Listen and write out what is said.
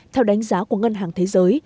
theo đánh giá của ngân hàng thế giới